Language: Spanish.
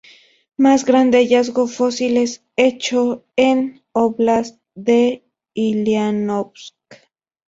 Mas grande hallazgo fósiles hecho en Óblast de Uliánovsk.